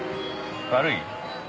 悪い？